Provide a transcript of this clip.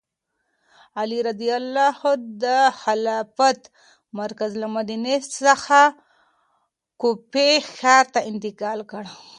علي رض د خلافت مرکز له مدینې څخه کوفې ښار ته انتقال کړ.